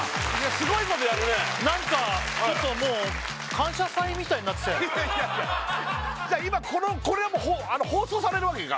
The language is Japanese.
すごいことやるねなんかちょっともう「感謝祭」みたいになってきたいやいやいやじゃあ今これも放送されるわけか？